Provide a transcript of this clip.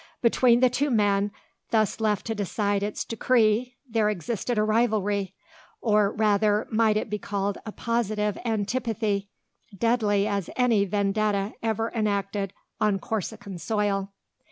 Between the two men, thus left to decide its decree, there existed a rivalry, or, rather, might it be called a positive antipathy, deadly as any vendetta ever enacted on Corsican soil.